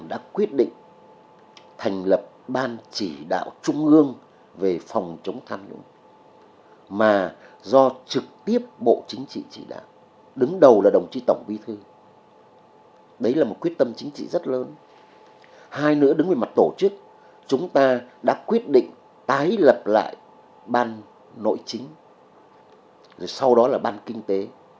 tái lập lại ban nội chính sau đó là ban kinh tế